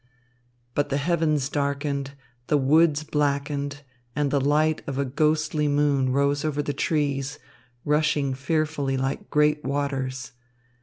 But the heavens darkened, the woods blackened, and the light of a ghostly moon rose over the trees, rushing fearfully like great waters.